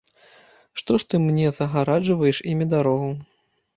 Што ты мне загараджваеш імі дарогу?